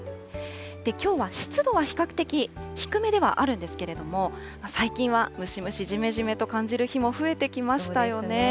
きょうは湿度は比較的低めではあるんですけれども、最近はムシムシ、じめじめと感じる日も増えてきましたよね。